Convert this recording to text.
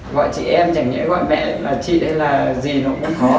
gọi chị em chẳng nghĩa gọi mẹ là chị hay là gì nó cũng khó